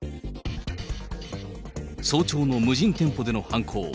早朝の無人店舗での犯行。